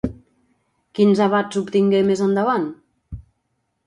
Quins abats obtingué més endavant?